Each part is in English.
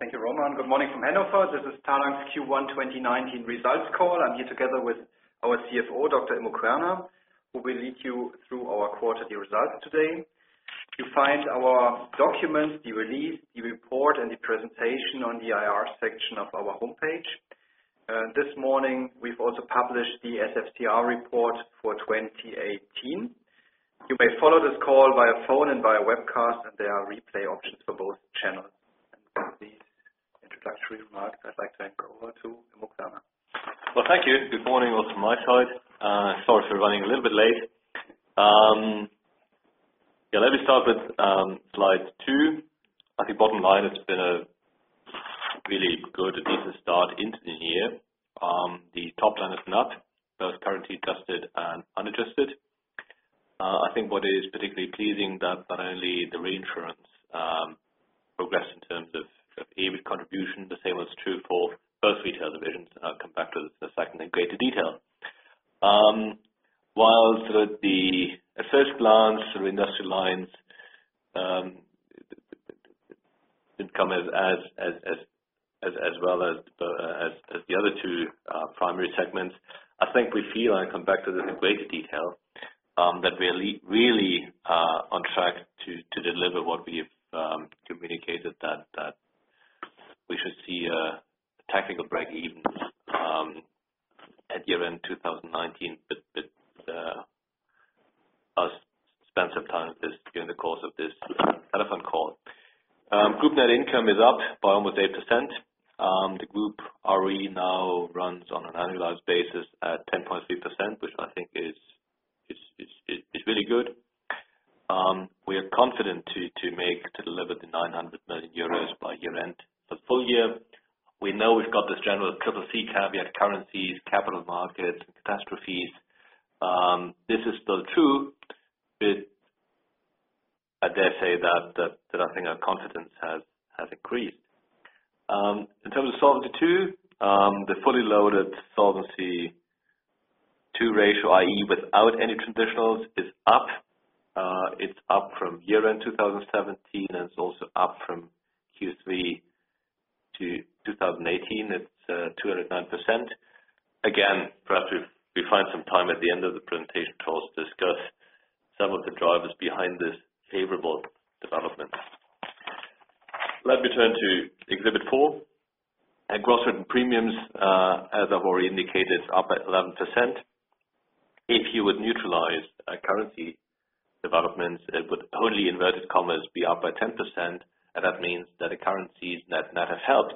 Thank you, Roman. Good morning from Hannover. This is Talanx Q1 2019 results call. I am here together with our CFO, Dr. Immo Querner, who will lead you through our quarterly results today. You can find our documents, the release, the report, and the presentation on the IR section of our homepage. This morning, we have also published the SFCR report for 2018. You may follow this call via phone and via webcast, and there are replay options for both channels. For the introductory remarks, I would like to hand over to Immo Querner. Thank you. Good morning also from my side. Sorry for running a little bit late. Let me start with slide two. I think bottom line, it has been a really good, a decent start into the year. The top line is not both currently adjusted and unadjusted. I think what is particularly pleasing that not only the reinsurance progressed in terms of EBIT contribution. The same was true for both retail divisions, and I will come back to this in a second in greater detail. While at first glance, the Industrial Lines did not come as well as the other two primary segments. I think we feel, and I will come back to this in greater detail, that we are really on track to deliver what we have communicated, that we should see a technical breakeven at year-end 2019, but I will spend some time with this during the course of this telephone call. Group net income is up by almost 8%. The Group ROE now runs on an annualized basis at 10.3%, which I think is really good. We are confident to deliver 900 million euros by year-end. The full year, we know we have got this general triple C caveat, currencies, capital markets, catastrophes. This is still true, but I dare say that I think our confidence has increased. In terms of Solvency II, the fully loaded Solvency II ratio, i.e., without any conditionals, is up. It is up from year-end 2017, and it is also up from Q3 2018. It is 209%. Again, perhaps we find some time at the end of the presentation call to discuss some of the drivers behind this favorable development. Let me turn to exhibit four. Gross written premiums, as I have already indicated, is up at 11%. If you would neutralize currency developments, it would, wholly inverted commas, be up by 10%, and that means that the currencies net-net have helped.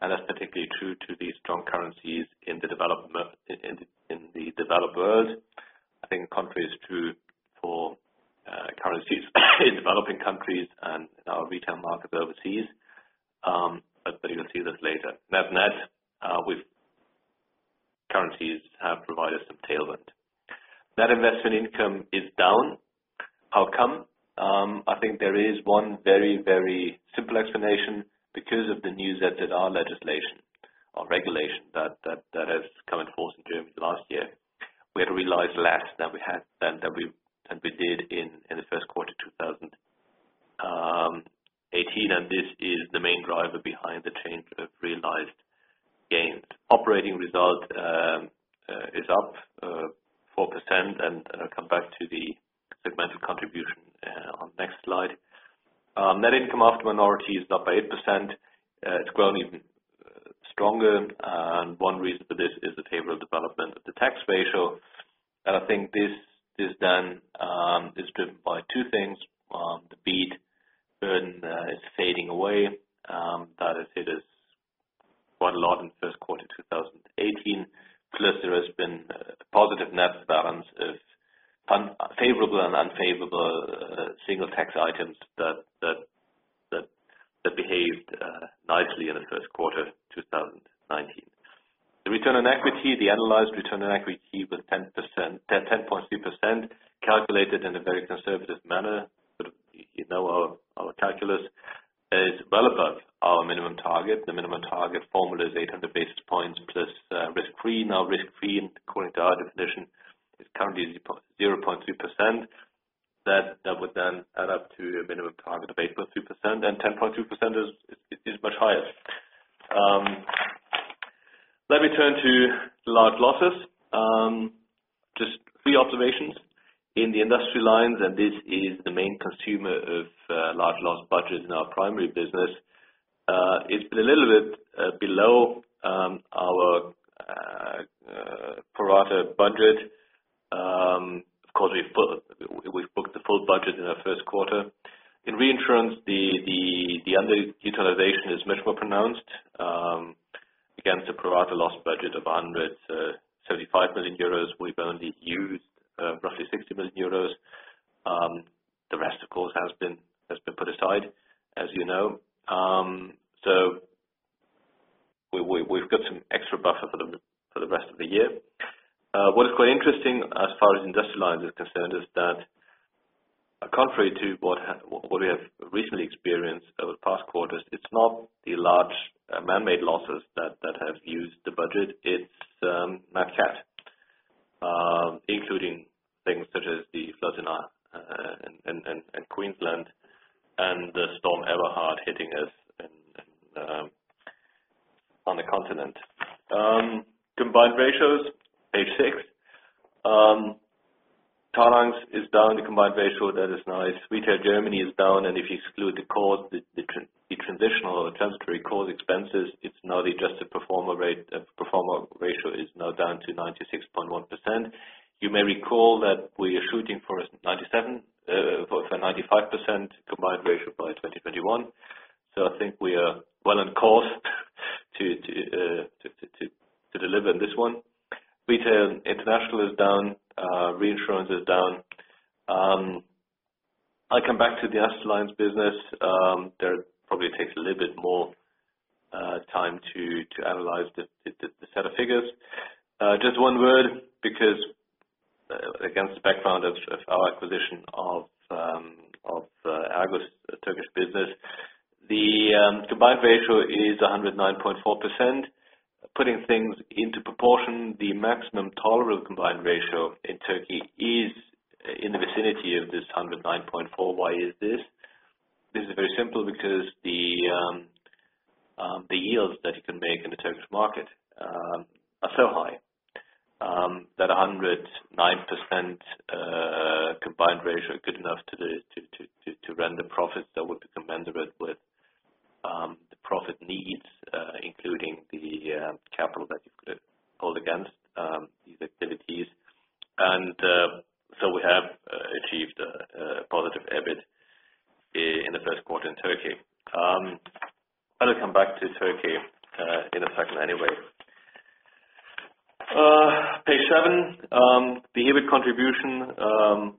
That is particularly true to the strong currencies in the developed world. I think the contrary is true for currencies in developing countries and in our retail market overseas. But you will see this later. Net-net, currencies have provided some tailwind. Net investment income is down. How come? I think there is one very simple explanation. Because of the new 188 legislation or regulation that has come in force in Germany last year, we had to realize less than we did in the first quarter 2018, and this is the main driver behind the change of realized gains. Operating result is up 4%, and I will come back to the segmented contribution on the next slide. Net income after minority is up by 8%. It's grown even stronger, one reason for this is the favorable development of the tax ratio. I think this then is driven by two things. The BEAT burden is fading away. That has hit us quite a lot in the first quarter of 2018. Plus, there has been a positive net balance of favorable and unfavorable single tax items that behaved nicely in the first quarter 2019. The return on equity, the analyzed return on equity, was 10.3%, calculated in a very conservative manner. You know our calculus is well above our minimum target. The minimum target formula is 800 basis points plus risk-free. Risk-free, according to our definition, is currently 0.3%. That would then add up to a minimum target of 8.3%, and 10.2% is much higher. Let me turn to large losses. Just three observations. In the industrial lines, and this is the main consumer of large loss budgets in our primary business. It's been a little bit below our pro-rata budget. Of course, we've booked the full budget in our first quarter. In Reinsurance, the underutilization is much more pronounced. Against the pro-rata loss budget of 175 million euros, we've only used roughly 60 million euros. The rest, of course, has been put aside, as you know. We've got some extra buffer for the rest of the year. What is quite interesting as far as industrial line is concerned is that contrary to what we have recently experienced over the past quarters, it's not the large man-made losses that have used the budget. It's nat cat. Including things such as the flood in Queensland, and the storm Eberhard hitting us on the continent. Combined ratios, page six. Talanx is down, the combined ratio, that is nice. Retail Germany is down, and if you exclude the transitional or transitory cost expenses, the adjusted performer ratio is now down to 96.1%. You may recall that we are shooting for a 95% combined ratio by 2021. I think we are well on course to deliver this one. Retail International is down. Reinsurance is down. I come back to the asset lines business. There probably takes a little bit more time to analyze the set of figures. Just one word, because against the background of our acquisition of AGUS Turkish business. The combined ratio is 109.4%. Putting things into proportion, the maximum tolerable combined ratio in Turkey is in the vicinity of this 109.4%. Why is this? This is very simple, because the yields that you can make in the Turkish market are so high, that 109% combined ratio good enough to render profits that were to commensurate with the profit needs, including the capital that you could hold against these activities. We have achieved a positive EBIT in the first quarter in Turkey. I'll come back to Turkey in a second anyway. Page seven, the EBIT contribution,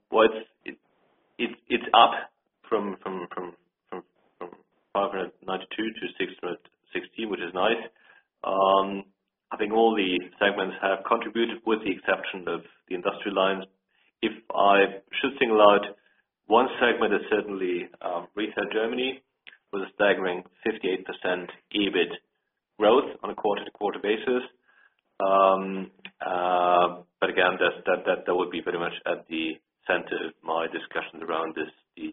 it's up from 592 to 616, which is nice. I think all the segments have contributed, with the exception of the industrial lines. If I should single out one segment, is certainly Retail Germany, with a staggering 58% EBIT growth on a quarter-to-quarter basis. Again, that would be very much at the center of my discussion around the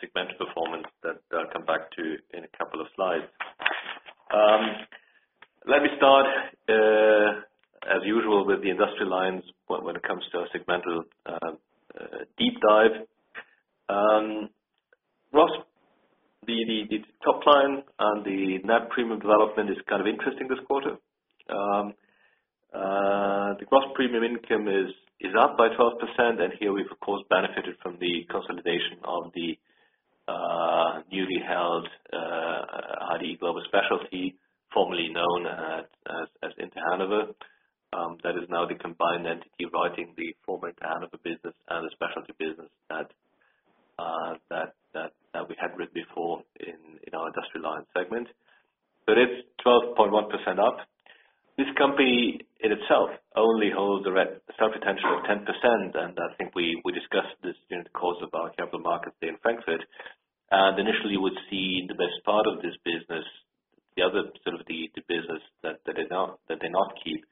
segment performance that I'll come back to in a couple of slides. Let me start, as usual, with the industrial lines when it comes to a segmental deep dive. Gross, the top line and the net premium development is kind of interesting this quarter. The gross premium income is up by 12%. Here we've, of course, benefited from the consolidation of the newly held HDI Global Specialty, formerly known as Inter Hannover. That is now the combined entity writing the former Inter Hannover business and the specialty business that we had read before in our industrial lines segment. It's 12.1% up. This company in itself only holds a self-retention of 10%, and I think we discussed this during the course of our capital markets day in Frankfurt. Initially, you would see the best part of this business, the other side of the business that they now keep,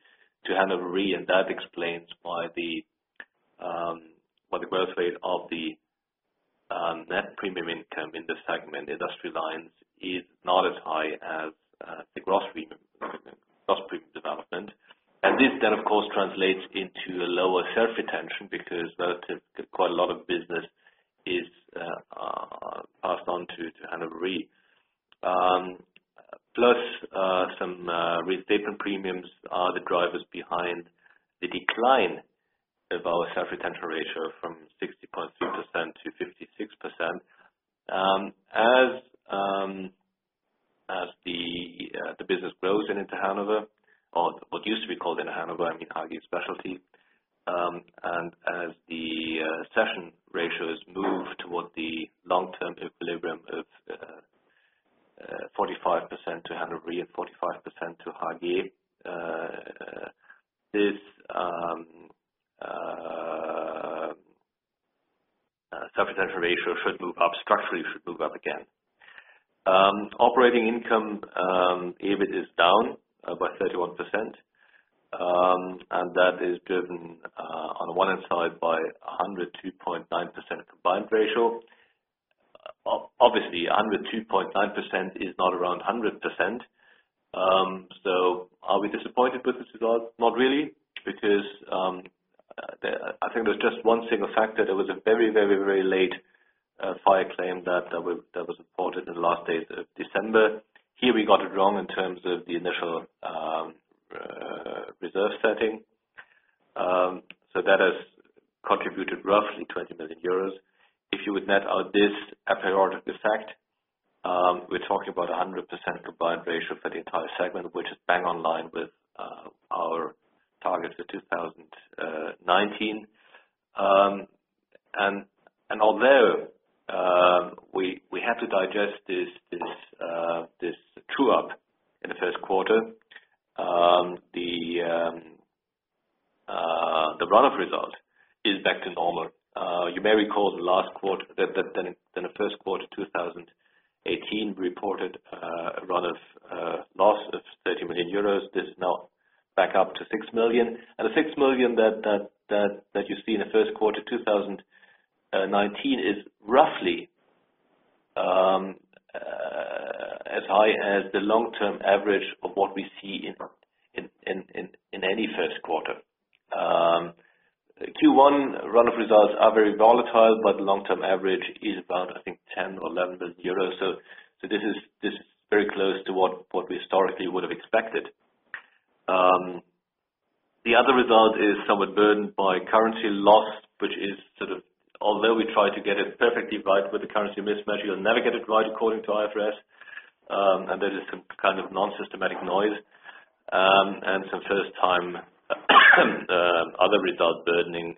to Hannover Re. That explains why the growth rate of the net premium income in this segment, industrial lines, is not as high as the gross premium development. This then, of course, translates into a lower self-retention because relative to quite a lot of business is passed on to Hannover Re. Plus, some reinstatement premiums are the drivers behind the decline of our self-retention ratio from 60.3% to 56%. As the business grows in Inter Hannover, or what used to be called Inter Hannover, I mean, HDI Global Specialty. As the cession ratios move toward the long-term equilibrium of 45% to Hannover Re and 45% to HDI Global SE, this self-retention ratio should move up, structurally should move up again. Operating income, EBIT is down by 31%. That is driven on the one hand side by 102.9% combined ratio. Obviously, 102.9% is not around 100%. Are we disappointed with this result? Not really, because I think there's just one single factor. There was a very late fire claim that was reported in the last days of December. Here we got it wrong in terms of the initial reserve setting. That has contributed roughly 20 million euros. If you would net out this a priori effect, we're talking about 100% combined ratio for the entire segment, which is bang on line with our target for 2019. Although, we have to digest this true-up in the first quarter, the run-off result is back to normal. You may recall in the first quarter of 2018, we reported a run-off loss of 30 million euros. This is now back up to 6 million. The 6 million that you see in the first quarter 2019 is roughly as high as the long-term average of what we see in any first quarter. Q1 run-off results are very volatile, but the long-term average is about, I think, 10 billion or 11 billion euros. This is very close to what we historically would have expected. The other result is somewhat burdened by currency loss. Although we try to get it perfectly right with the currency mismatch, you'll never get it right according to IFRS. There is some kind of non-systematic noise. Some first-time other result burdening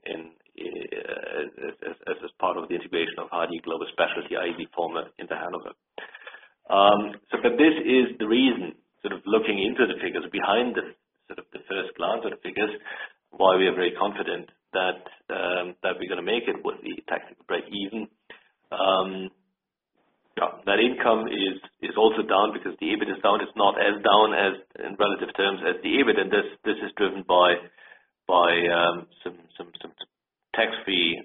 as part of the integration of HDI Global Specialty, i.e., former Inter Hannover. This is the reason, looking into the figures behind the first glance at the figures, why we are very confident that we're going to make it with the tax break even. Net income is also down because the EBIT is down. It's not as down in relative terms as the EBIT, this is driven by some tax-free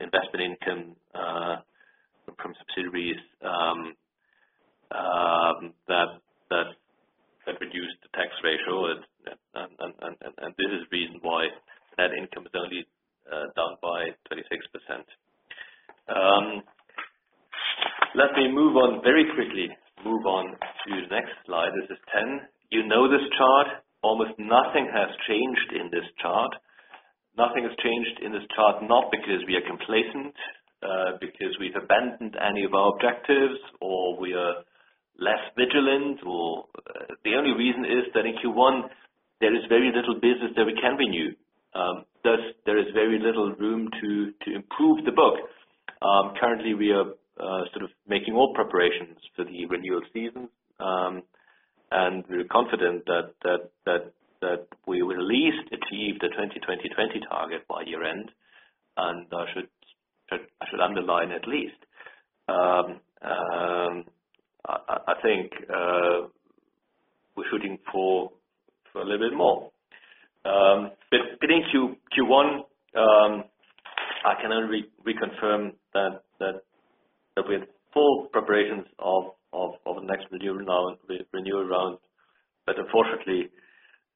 investment income from subsidiaries that reduced the tax ratio. This is the reason why net income is only down by 36%. Let me move on very quickly to the next slide. This is 10. You know this chart. Almost nothing has changed in this chart. Nothing has changed in this chart, not because we are complacent, because we've abandoned any of our objectives, or we are less vigilant. The only reason is that in Q1, there is very little business that we can renew. Thus, there is very little room to improve the book. Currently, we are making all preparations for the renewal season, and we are confident that we will at least achieve the 20/20/20 target by year-end, and I should underline at least. I think we're shooting for a little bit more. Getting to Q1, I can only reconfirm that we have full preparations of the next renewal round, but unfortunately,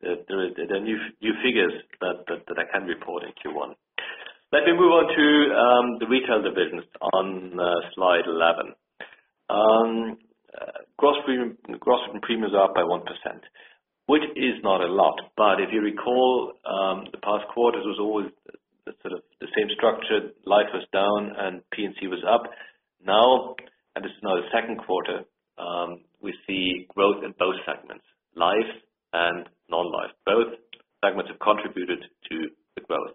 there are new figures that I can report in Q1. Let me move on to the retail division on slide 11. Gross premiums are up by 1%, which is not a lot, but if you recall, the past quarters was always the same structure. Life was down and P&C was up. Now, this is now the second quarter, we see growth in both segments, life and non-life. Both segments have contributed to the growth.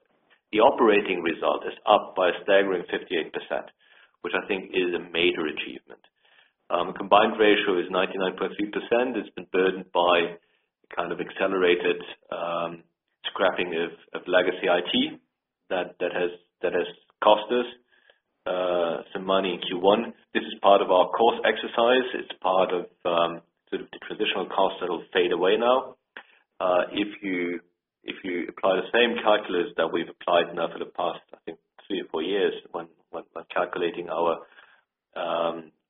The operating result is up by a staggering 58%, which I think is a major achievement. Combined ratio is 99.3%. It's been burdened by accelerated scrapping of legacy IT. That has cost us some money in Q1. This is part of our cost exercise. It's part of the transitional cost that will fade away now. If you apply the same calculus that we've applied now for the past, I think, three or four years when calculating our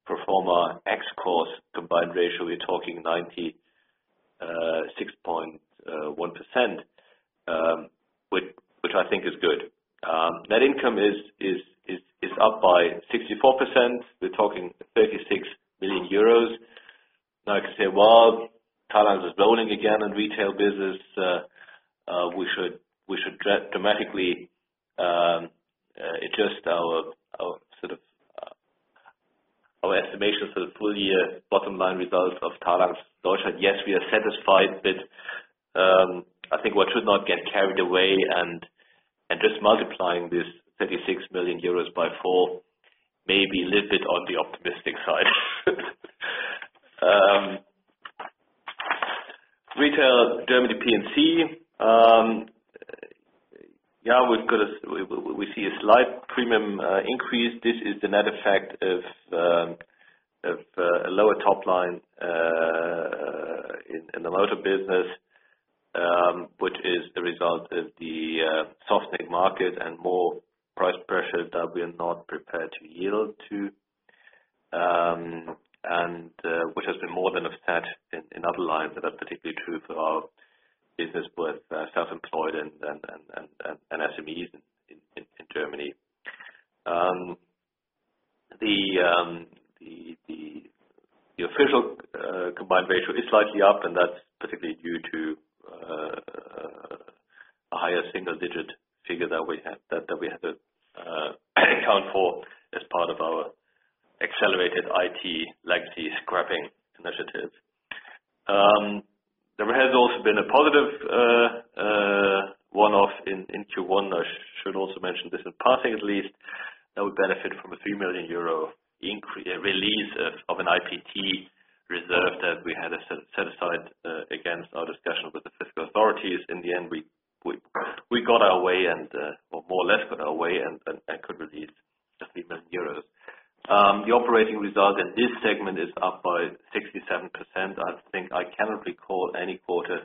pro forma ex cost combined ratio, we're talking 96.1%, which I think is good. Net income is up by 64%. We're talking 36 million euros. Now, I can say while Talanx is loading again in retail business, we should dramatically adjust our estimations for the full year bottom line results of Talanx Deutschland. Yes, we are satisfied, but I think one should not get carried away and just multiplying this 36 million euros by four may be a little bit on the optimistic side. Retail Germany, P&C. We see a slight premium increase. This is the net effect of a lower top line in the motor business, which is the result of the softening market and more price pressure that we are not prepared to yield to, and which has been more than offset in other lines that are particularly true for our business with self-employed and SMEs in Germany. The official combined ratio is slightly up, and that's particularly due to a higher single-digit figure that we had to account for as part of our accelerated IT legacy scrapping initiative. There has also been a positive one-off in Q1. I should also mention this in passing at least. That would benefit from a 3 million euro increase, a release of an IPT reserve that we had set aside against our discussions with the fiscal authorities. In the end, we got our way, or more or less got our way, and could release the 3 million euros. The operating result in this segment is up by 67%. I think I cannot recall any quarter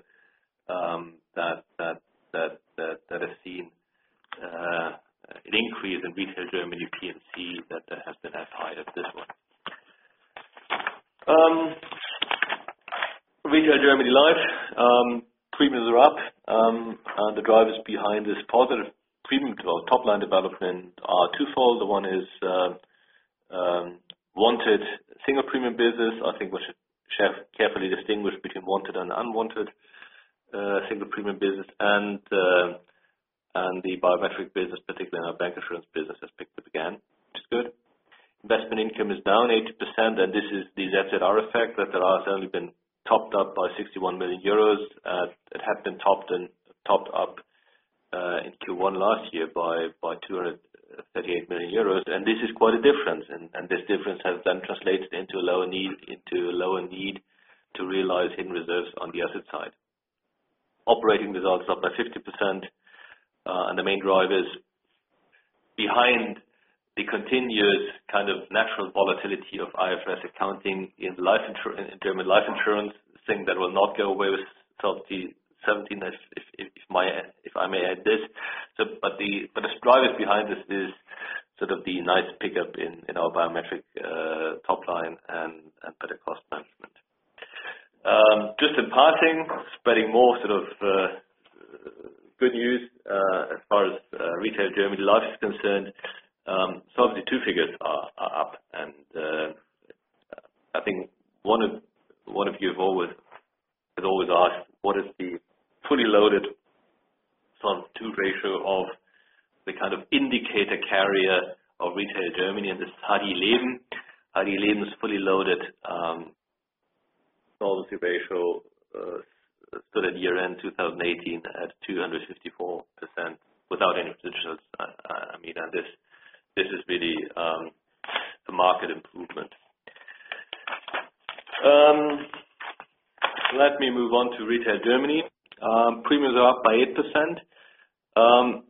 that has seen an increase in Retail Germany P&C that has been as high as this one. Retail Germany Life. Premiums are up. The drivers behind this positive premium growth, top-line development, are twofold. One is wanted single premium business, I think we should carefully distinguish between wanted and unwanted single premium business. The biometric business, particularly in our bank insurance business, has picked up again, which is good. Investment income is down 80%, and this is the ZZR effect, that has only been topped up by 61 million euros. It had been topped up in Q1 last year by 238 million euros. This is quite a difference, this difference has then translated into a lower need to realize hidden reserves on the asset side. Operating results up by 50%, the main drivers behind the continuous kind of natural volatility of IFRS accounting in German life insurance, a thing that will not go away with Solvency II, if I may add this. The drivers behind this is sort of the nice pickup in our biometric top line and better cost management. Just in passing, spreading more sort of good news, as far as Retail Germany Life is concerned. Solvency II figures are up. I think one of you have always asked what is the fully loaded Solvency II ratio of the kind of indicator carrier of Retail Germany, and this is HDI Leben. hallileon's fully loaded solvency ratio stood at year-end 2018 at 254% without any additional. I mean, this is really the market improvement. Let me move on to Retail Germany. Premiums are up by 8%.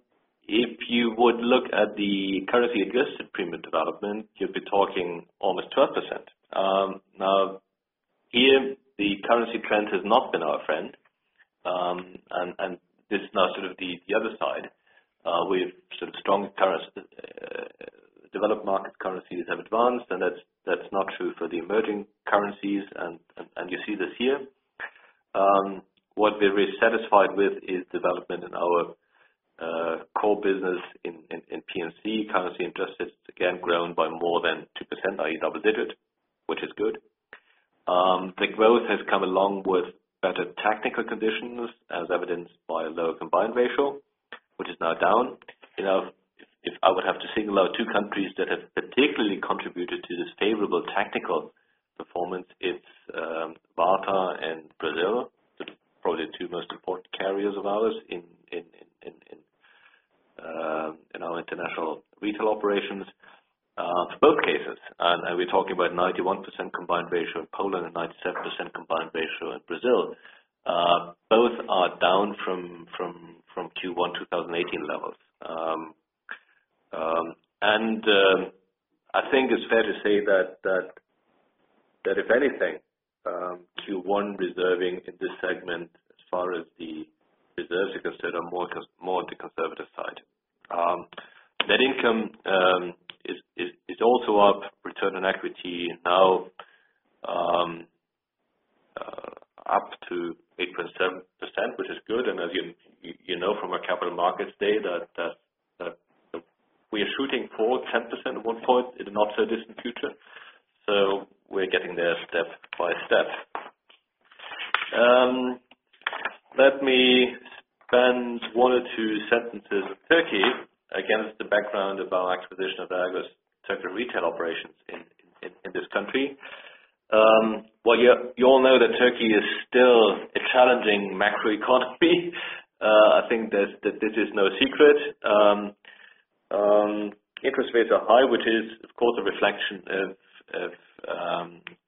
If you would look at the currency adjusted premium development, you'd be talking almost 12%. Now, here, the currency trend has not been our friend. This is now sort of the other side, with sort of strong developed market currencies have advanced, that's not true for the emerging currencies. You see this here. What we're very satisfied with is development in our core business in P&C. Currency and just this again grown by more than 2%, i.e. double digits, which is good. The growth has come along with better technical conditions as evidenced by a lower combined ratio, which is now down. If I would have to single out two countries that have particularly contributed to this favorable technical performance, it's Malta and Brazil, probably the two most important carriers of ours in our international retail operations. For both cases, we're talking about 91% combined ratio in Poland and 97% combined ratio in Brazil. Both are down from Q1 2018 levels. I think it's fair to say that if anything, Q1 reserving in this segment as far as the reserves are concerned, are more at the conservative side. Net income is also up. Return on equity now up to 8.7%, which is good. As you know from our capital markets day that we are shooting for 10% at one point in the not-so-distant future. We're getting there step by step. Let me spend one or two sentences on Turkey against the background of our acquisition of ERGO's Turkey retail operations in this country. Well, you all know that Turkey is still a challenging macro economy. I think that this is no secret. Interest rates are high, which is of course, a reflection of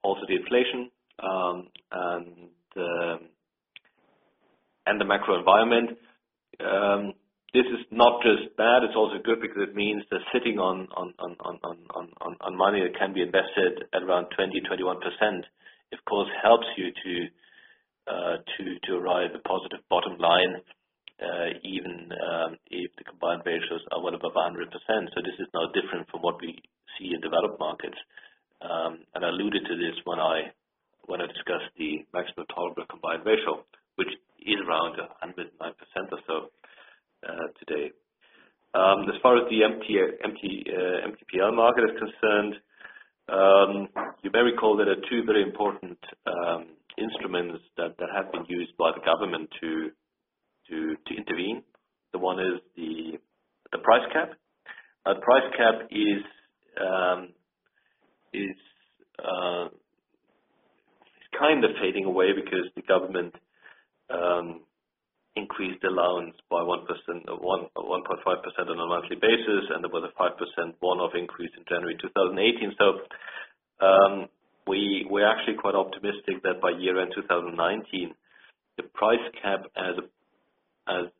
also the inflation and the macro environment. This is not just bad, it's also good because it means they're sitting on money that can be invested at around 20%, 21%, it of course helps you to arrive at a positive bottom line, even if the combined ratios are well above 100%. This is no different from what we see in developed markets. I alluded to this when I discussed the maximum tolerable combined ratio, which is around 109% or so today. As far as the MTPL market is concerned, you may recall there are two very important instruments that have been used by the government to intervene. One is the price cap. A price cap is kind of fading away because the government increased allowance by 1.5% on a monthly basis, and there was a 5% one-off increase in January 2018. We're actually quite optimistic that by year-end 2019, the price cap as a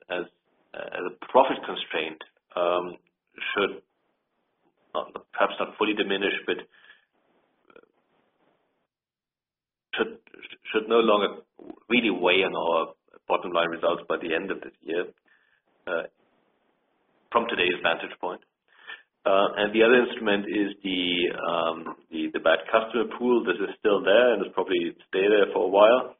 profit constraint should, perhaps not fully diminish, but should no longer really weigh on our bottom line results by the end of this year from today's vantage point. The other instrument is the bad customer pool. This is still there, and it'll probably stay there for a while.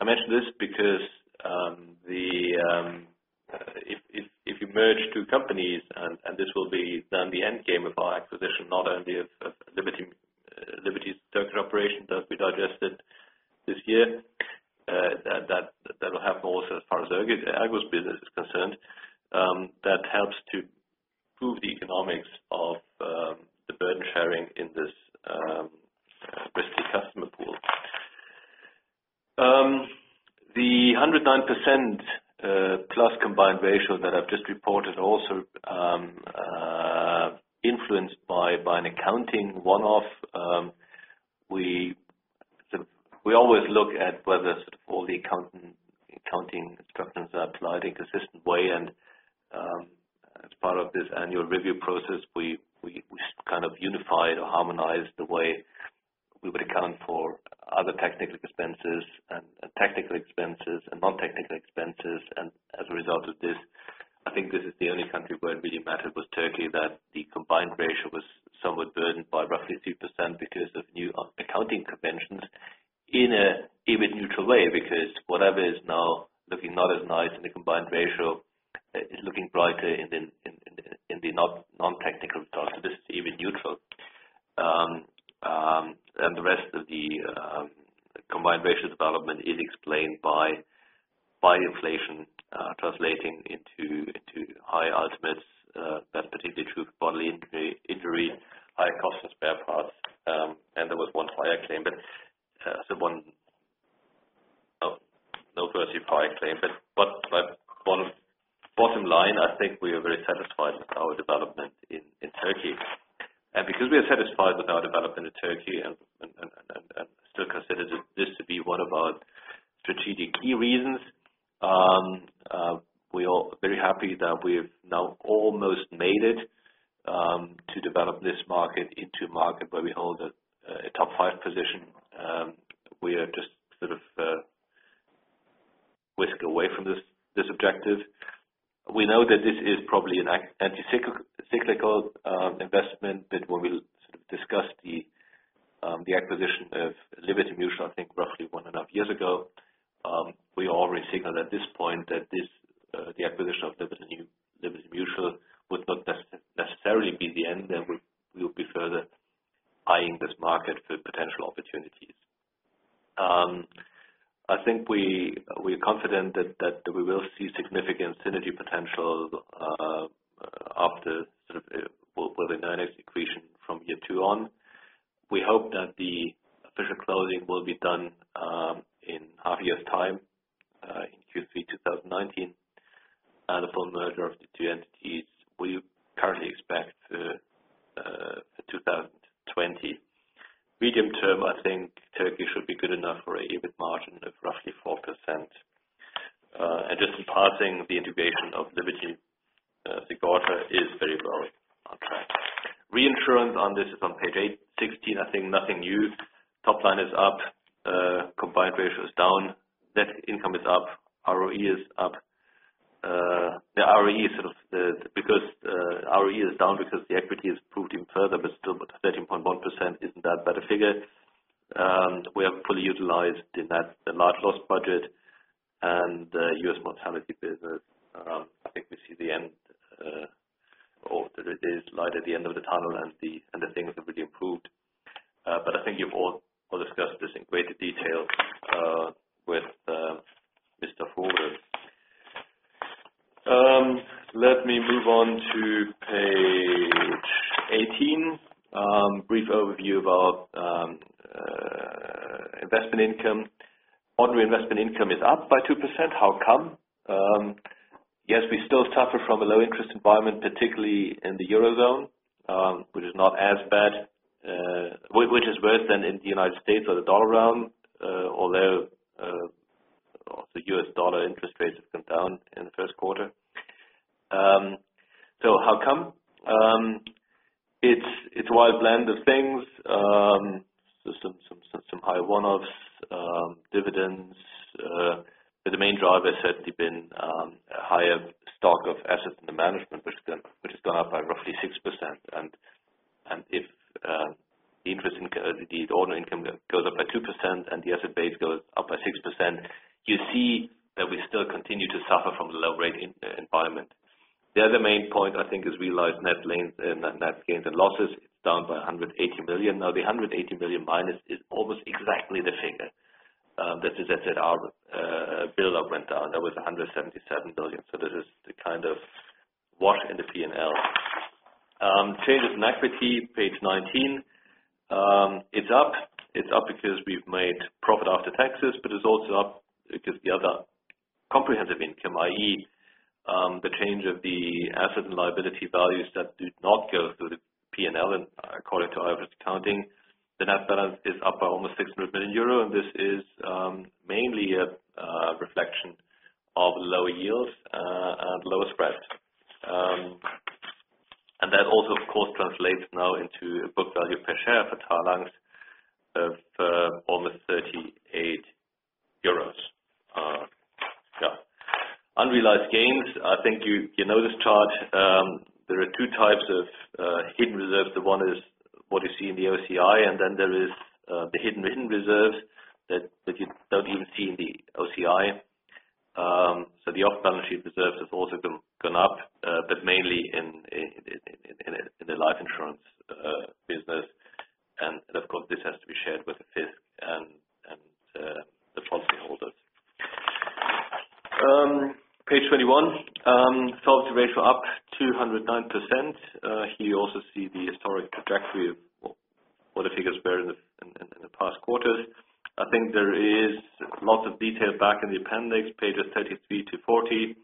I mention this because if you merge two companies, and this will be then the end game of our acquisition, not only of Liberty's Turkish operation that will be digested this year. That will happen also as far as ERGO's business is concerned. That helps to improve the economics of the burden sharing in this risky customer pool. The 109% plus combined ratio that I've just reported, also influenced by an accounting one-off. We always look at whether all the accounting structures are applied in a consistent way. As part of this annual review process, we kind of unified or harmonized the way we would account for other technical expenses and non-technical expenses. As a result of this, I think this is the only country where it really mattered, was Turkey, that the combined ratio was somewhat burdened by roughly 2% because of new accounting conventions in a neutral way. Whatever is now looking not as nice in a combined ratio, is looking brighter in the non-technical terms. This is even neutral. The rest of the combined ratio development is explained by inflation translating into high estimates. That's particularly true for bodily injury, high cost of spare parts. There was one fire claim, but no major fire claim. Bottom line, I think we are very satisfied with our development in Turkey. Because we are satisfied with our development in Turkey and still consider this to be one of our strategic key reasons, we are very happy that we have now almost made it to develop this market into a market where we hold a top five position. We are just sort of a whisker away from this objective. We know that this is probably an anti-cyclical investment, that when we discussed the acquisition of Liberty Mutual, I think roughly one and a half years ago, we already signaled at this point that the acquisition of Liberty Mutual would not necessarily be the end, and we will be further eyeing this market for potential opportunities. I think we are confident that we will see significant synergy potential after we will have a dynamic accretion from year two on. We hope that the official closing will be done in half a year's time, in Q3 2019. A full merger of the two entities, we currently expect for 2020. Medium term, I think Turkey should be good enough for an EBIT margin of roughly 4%. Just passing the integration of Liberty Sigorta is very well on track. Reinsurance on this is on page 816. I think nothing new. Top line is up, combined ratio is down, net income is up, ROE is up. The ROE is down because the equity has improved even further, but still, 13.1% isn't that bad a figure. We are fully utilized in that, the large loss budget and U.S. mortality business. I think we see the end, or there is light at the end of the tunnel and the things have really improved. I think you've all discussed this in greater detail with Mr. Furrer. Let me move on to page 18. Brief overview of our investment income. On reinvestment income is up by 2%. How come? Yes, we still suffer from a low interest environment, particularly in the Eurozone, which is worse than in the United States or the dollar realm, although, the U.S. dollar interest rates have come down in the first quarter. How come? It's a wide blend of things. Some high one-offs, dividends. The main driver has certainly been a higher stock of assets in the management, which has gone up by roughly 6%. If the order income goes up by 2% and the asset base goes up by 6%, you see that we still continue to suffer from the low-rate environment. The other main point, I think, is realized net gains and losses. It's down by 180 million. The 180 million minus is almost exactly the figure that the ZZR buildup went down. That was 177 billion. This is the kind of wash in the P&L. Changes in equity, page 19. It's up. It's up because we've made profit after taxes, but it's also up because the other comprehensive income, i.e., the change of the asset and liability values that do not go through the P&L and according to IFRS accounting. The net balance is up by almost 600 million euro, and this is mainly a reflection of lower yields and lower spreads. That also, of course, translates now into a book value per share for Talanx of almost EUR 38. Unrealized gains. I think you know this chart. There are two types of hidden reserves. The one is what you see in the OCI, and then there is the hidden reserves that you don't even see in the OCI. The off-balance sheet reserves have also gone up, but mainly in the life insurance business. Of course, this has to be shared with the FISC and the policy holders. Page 21. Solvency ratio up 209%. Here you also see the historic trajectory of what the figures were in the past quarters. I think there is lots of detail back in the appendix, pages 33 to 40.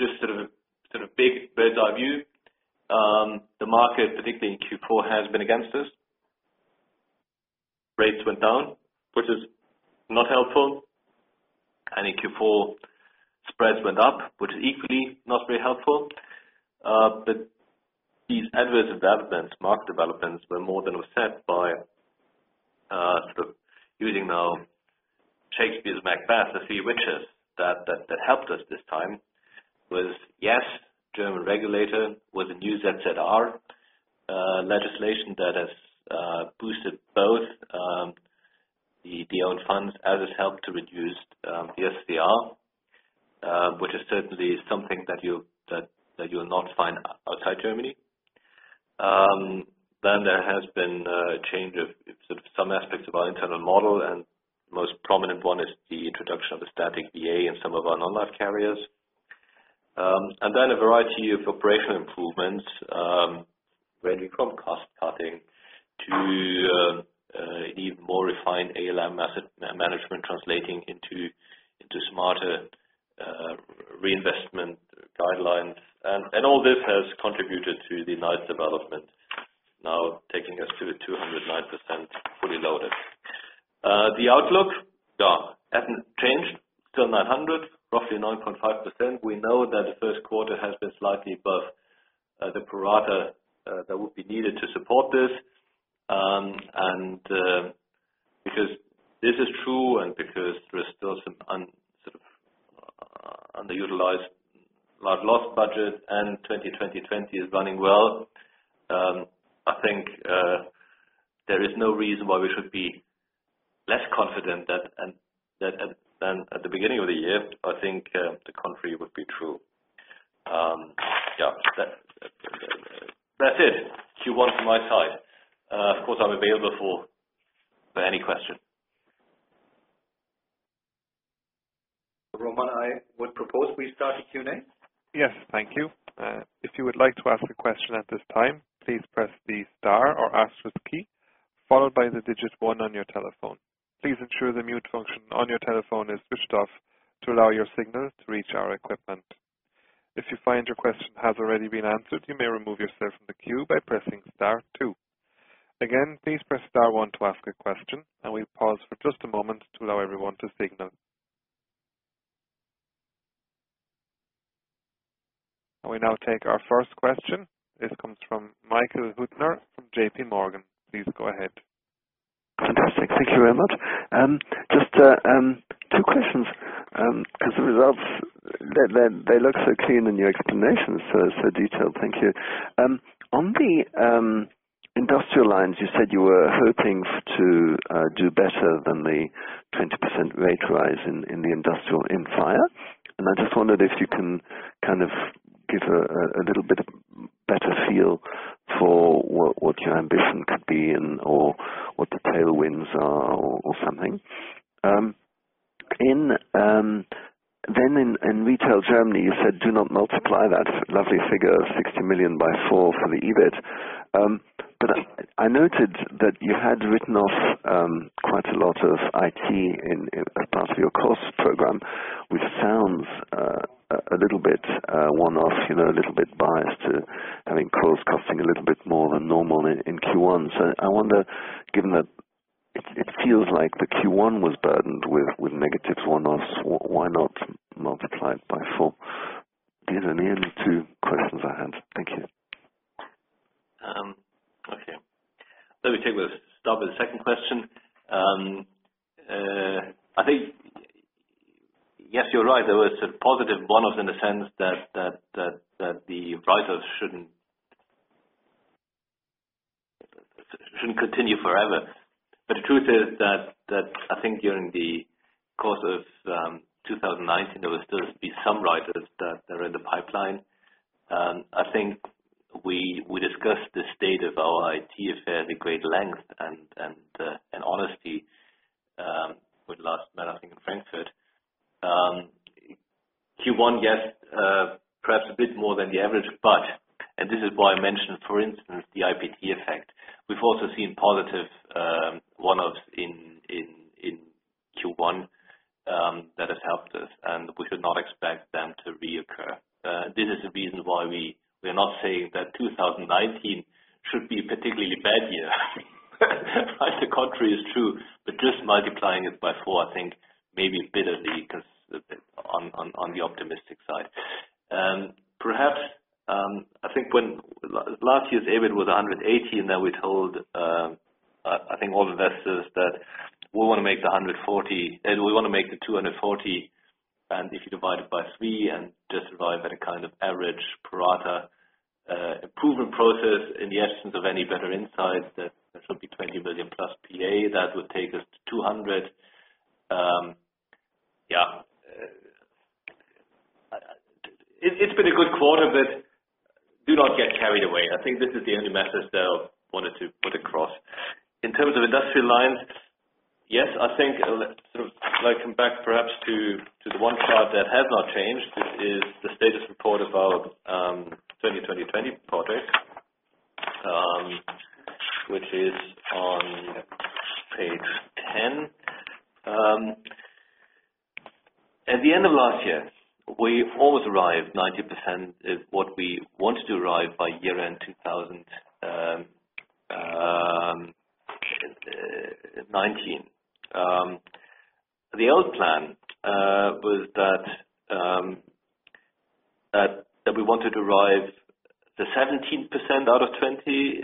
Just a sort of big bird's-eye view. The market, particularly in Q4, has been against us. Rates went down, which is not helpful. In Q4, spreads went up, which is equally not very helpful. These adverse developments, market developments, were more than offset by sort of using now Shakespeare's Macbeth, the three witches that helped us this time was, yes, German regulator with the new ZZR legislation that has boosted both the owned funds as has helped to reduce the SCR, which is certainly something that you'll not find outside Germany. There has been a change of some aspects of our internal model, and most prominent one is the introduction of the static VA in some of our non-life carriers. A variety of operational improvements, ranging from cost-cutting to even more refined ALM management translating into smarter reinvestment guidelines. All this has contributed to the nice development now taking us to the 209% fully loaded. The outlook hasn't changed. Still 900, roughly 9.5%. We know that the first quarter has been slightly above the pro rata that would be needed to support this. Because this is true and because there is still some underutilized large loss budget and 2020 is running well, I think there is no reason why we should be less confident than at the beginning of the year. I think the contrary would be true. That's it. Q1 from my side. Of course, I'm available for any question. Roman, I would propose we start the Q&A. Yes. Thank you. If you would like to ask a question at this time, please press the star or asterisk key, followed by the digit 1 on your telephone. Please ensure the mute function on your telephone is switched off to allow your signal to reach our equipment. If you find your question has already been answered, you may remove yourself from the queue by pressing star 2. Again, please press star 1 to ask a question. We pause for just a moment to allow everyone to signal. We now take our first question. This comes from Michael Huttner from JP Morgan. Please go ahead. Fantastic. Thank you very much. Just 2 questions. The results, they look so clean and your explanation so detailed. Thank you. On the industrial lines, you said you were hoping to do better than the 20% rate rise in the industrial NFIr. I just wondered if you can kind of give a little bit better feel for what your ambition could be or what the tailwinds are or something. In retail Germany, you said do not multiply that lovely figure of 60 million by 4 for the EBIT. I noted that you had written off quite a lot of IT as part of your cost program, which sounds a little bit one-off, a little bit biased to having cost-cutting a little bit more than normal in Q1. I wonder, given that it feels like the Q1 was burdened with negative one-offs, why not multiply it by 4? These are the only 2 questions I had. Thank you. Okay. Let me take the start with the 2nd question. I think, yes, you're right. There was a positive one-off in the sense that the writers shouldn't continue forever. The truth is that, I think during the course of 2019, there will still be some writers that are in the pipeline. I think we discussed the state of our IT affair at great length and honesty with last meeting in Frankfurt. Q1, yes, perhaps a bit more than the average, but, this is why I mentioned, for instance, the IPT effect. We've also seen positive one-offs in Q1 that has helped us. We should not expect them to reoccur. This is the reason why we are not saying that 2019 should be a particularly bad year. Quite the contrary is true, just multiplying it by 4, I think maybe a bit on the optimistic side. Last year's EBIT was EUR 180. We told all investors that we want to make 240. If you divide it by three and just arrive at a kind of average pro rata improvement process, in the absence of any better insights, that should be 20 billion-plus PA. That would take us to 200. It's been a good quarter. Do not get carried away. This is the only message that I wanted to put across. In terms of Industrial Lines, if I come back perhaps to the one chart that has not changed, which is the status report of our 20/20/20 project, which is on page 10. At the end of last year, we almost arrived 90% of what we wanted to arrive by year-end 2019. The old plan was that we wanted to arrive the 13.3% out of 20,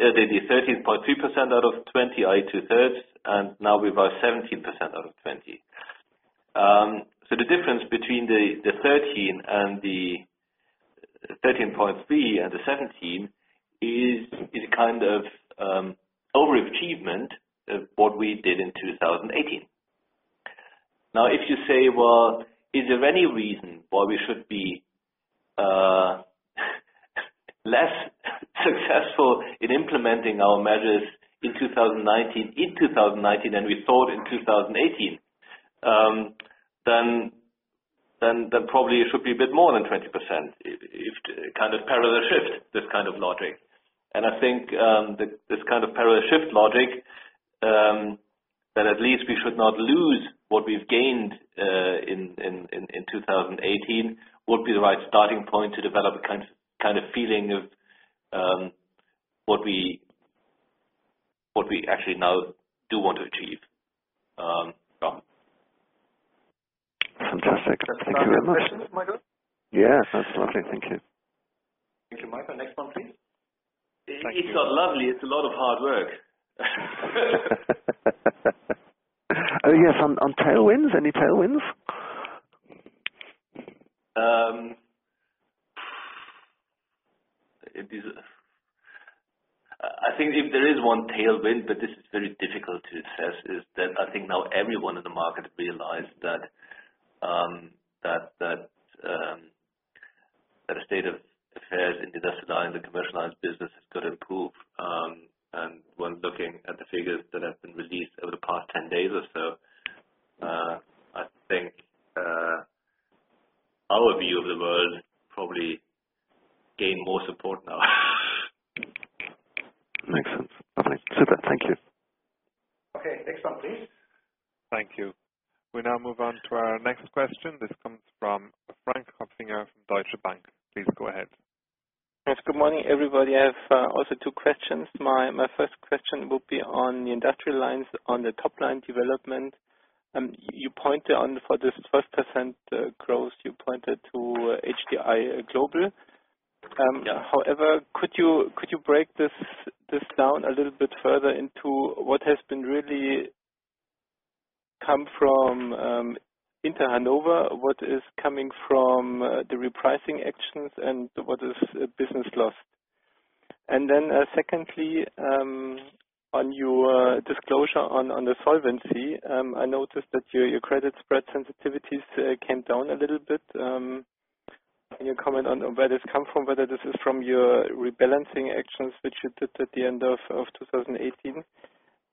i.e. two-thirds. We're about 17% out of 20. The difference between the 13.3 and the 17 is kind of overachievement of what we did in 2018. If you say, "Well, is there any reason why we should be less successful in implementing our measures in 2019 than we thought in 2018?" Probably it should be a bit more than 20%, if it parallel shifts, this kind of logic. This kind of parallel shift logic that at least we should not lose what we've gained in 2018 would be the right starting point to develop a kind of feeling of what we actually now do want to achieve. Fantastic. Thank you very much. Are there any more questions, Michael? Yes. That's lovely. Thank you. Thank you, Michael. Next one, please. It's not lovely. It's a lot of hard work. Yes, on tailwinds. Any tailwinds? I think if there is one tailwind, but this is very difficult to assess, is that I think now everyone in the market realized that the state of affairs in the Industrial Lines, the commercial lines business has got to improve. When looking at the figures that have been released over the past 10 days or so, I think our view of the world probably gained more support now. Makes sense. Lovely. Super. Thank you. Okay. Next one, please. Thank you. We now move on to our next question. This comes from Frank Kopfinger of Deutsche Bank. Please go ahead. Yes. Good morning, everybody. I have also two questions. My first question will be on the industrial lines on the top-line development. For this 1% growth, you pointed to HDI Global. Yeah. Could you break this down a little bit further into what has been really come from Inter Hannover, what is coming from the repricing actions, and what is business lost? Secondly, on your disclosure on the solvency, I noticed that your credit spread sensitivities came down a little bit. Can you comment on where this come from, whether this is from your rebalancing actions, which you did at the end of 2018?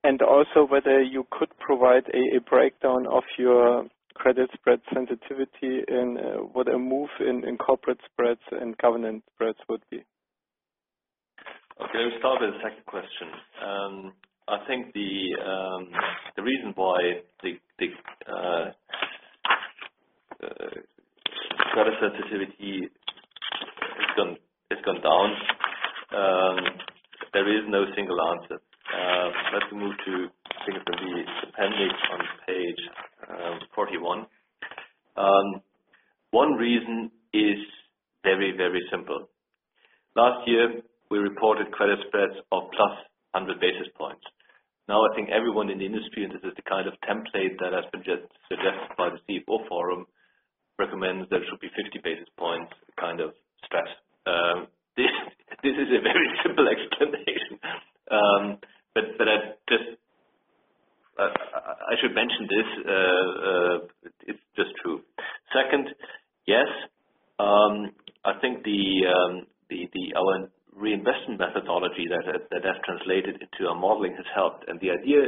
Also whether you could provide a breakdown of your credit spread sensitivity and what a move in corporate spreads and covenant spreads would be. Okay. We'll start with the second question. I think the reason why the credit sensitivity has gone down, there is no single answer. Let's move to Figure B, the appendix on page 41. One reason is very simple. Last year, we reported credit spreads of plus 100 basis points. Now, I think everyone in the industry, and this is the kind of template that has been suggested by the CFO Forum, recommends there should be 50 basis points kind of spread. This is a very simple explanation. I should mention this. It's just true. Second, I think our reinvestment methodology that has translated into our modeling has helped. The idea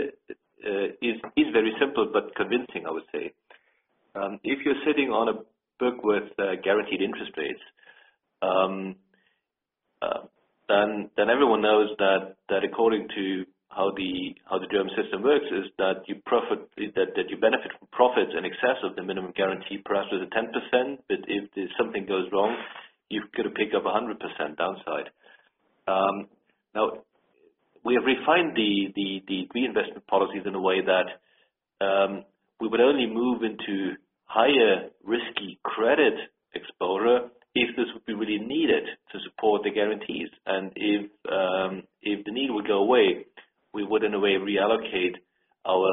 is very simple, but convincing, I would say. If you're sitting on a book with guaranteed interest rates, everyone knows that according to how the German system works, is that you benefit from profits in excess of the minimum guarantee, perhaps with a 10%, but if something goes wrong, you could pick up 100% downside. Now, we have refined the reinvestment policies in a way that we would only move into higher risky credit exposure if this would be really needed to support the guarantees. If the need would go away, we would in a way reallocate our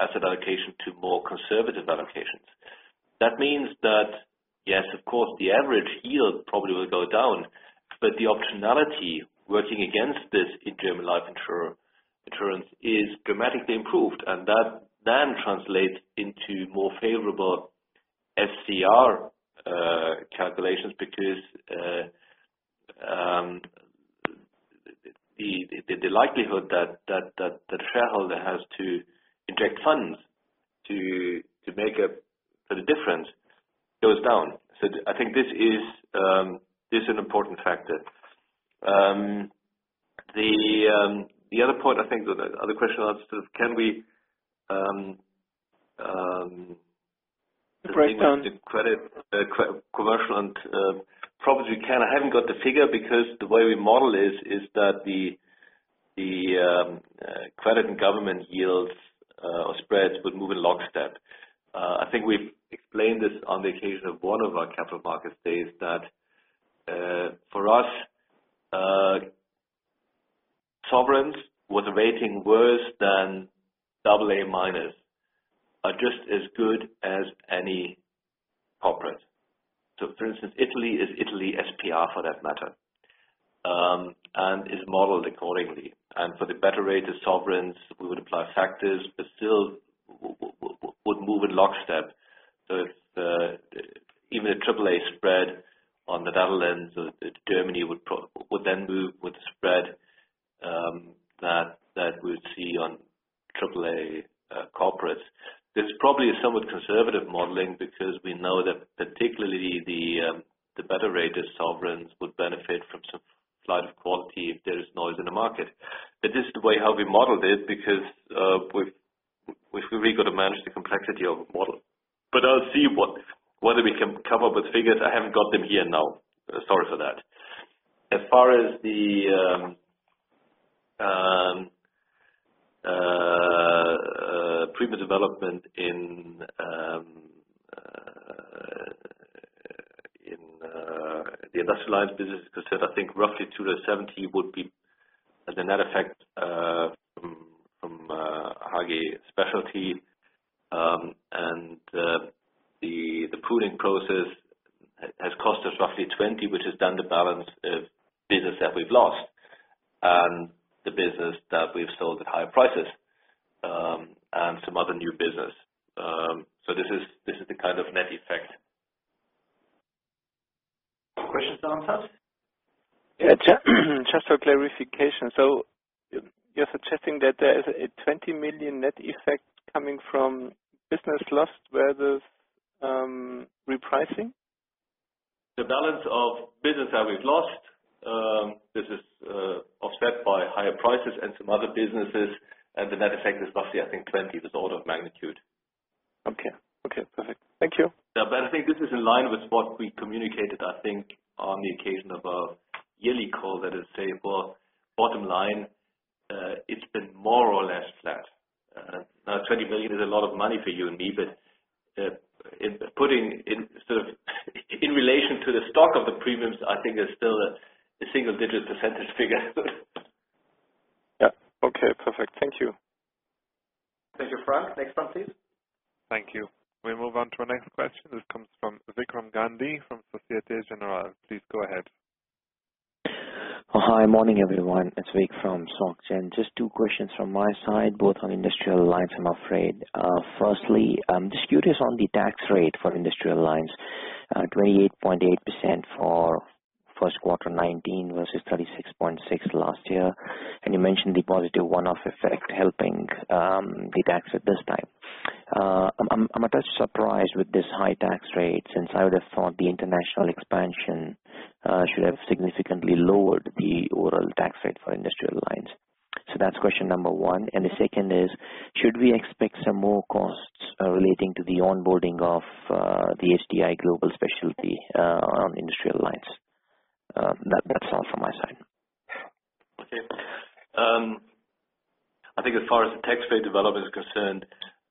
asset allocation to more conservative allocations. That means that yes, of course, the average yield probably will go down, the optionality working against this in German life insurance is dramatically improved, that then translates into more favorable SCR calculations because the likelihood that shareholder has to inject funds to make a difference goes down. I think this is an important factor. The other point I think, the other question I'll ask is, can we Price down credit commercial, probably we can. I haven't got the figure because the way we model this is that the credit and government yields or spreads would move in lockstep. I think we've explained this on the occasion of one of our capital market days, that for us, sovereigns with a rating worse than AA- are just as good as any corporate. For instance, Italy is Italy spread for that matter, and is modeled accordingly. For the better rated sovereigns, we would apply factors, but still would move in lockstep. Even a AAA spread on the Netherlands or Germany would then move with the spread that we'd see on AAA corporates. This probably is somewhat conservative modeling because we know that particularly the better rated sovereigns would benefit from some flight of quality if there is noise in the market. This is the way how we modeled it, because we've really got to manage the complexity of a model. I'll see whether we can come up with figures. I haven't got them here now. Sorry for that. As far as the premium development in the Industrial Lines business is concerned, I think roughly 270 would be as a net effect from HDI Global Specialty. The pooling process has cost us roughly 20, which is then the balance of business that we've lost and the business that we've sold at higher prices, and some other new business. This is the kind of net effect. Questions are answered? Yeah. Just for clarification. You're suggesting that there is a 20 million net effect coming from business lost where the repricing? The balance of business that we've lost, this is offset by higher prices and some other businesses, and the net effect is roughly, I think, 20% of magnitude. Okay. Perfect. Thank you. Yeah. I think this is in line with what we communicated, I think, on the occasion of our yearly call, that is to say, well, bottom line, it's been more or less flat. Now, 20 million is a lot of money for you and me, but in relation to the stock of the premiums, I think there's still a single-digit percentage figure. Yeah. Okay, perfect. Thank you. Thank you, Frank. Next one, please. Thank you. We move on to our next question. This comes from Vikram Gandhi from Societe Generale. Please go ahead. Hi. Morning, everyone. It's Vik from Soc Gen. Just two questions from my side, both on Industrial Lines, I'm afraid. Firstly, just curious on the tax rate for Industrial Lines. 28.8% for first quarter 2019 versus 36.6% last year. You mentioned the positive one-off effect helping the tax at this time. I'm a touch surprised with this high tax rate, since I would have thought the international expansion should have significantly lowered the overall tax rate for Industrial Lines. That's question number one. The second is, should we expect some more costs relating to the onboarding of the HDI Global Specialty on Industrial Lines? That's all from my side. Okay. As far as the tax rate development is concerned,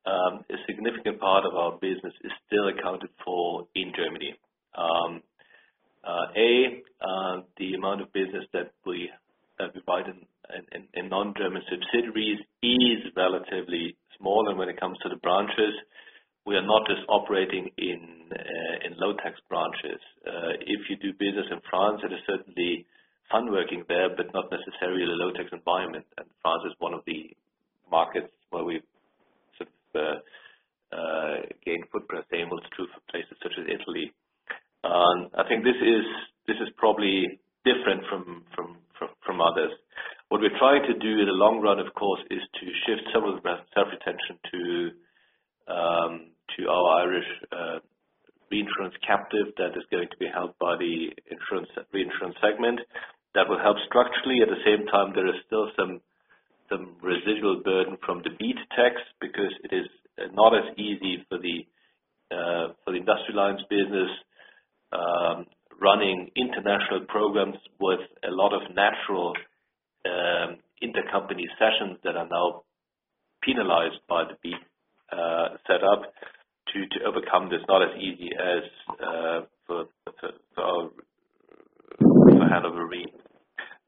a significant part of our business is still accounted for in Germany. The amount of business that we provide in non-German subsidiaries is relatively small. When it comes to the branches, we are not just operating in low-tax branches. If you do business in France, it is certainly fun working there, but not necessarily a low-tax environment. France is one of the markets where we'veThe gain footprint same was true for places such as Italy. I think this is probably different from others. What we're trying to do in the long run, of course, is to shift some of the self-retention to our Irish reinsurance captive that is going to be held by the reinsurance segment. That will help structurally. At the same time, there is still some residual burden from the BEAT tax because it is not as easy for the industrial lines business running international programs with a lot of natural intercompany cessions that are now penalized by the BEAT set up to overcome. It's not as easy as for Hannover Re.